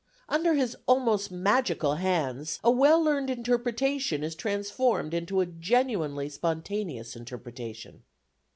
Under his almost magical hands, a well learned interpretation is transformed into a genuinely spontaneous interpretation.